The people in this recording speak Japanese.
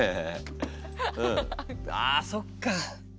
あそっか。